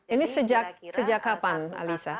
ini sejak kapan alisa